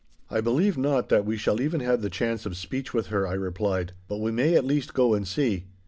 'I believe not that we shall even have the chance of speech with her,' I replied, 'but we may at least go and see.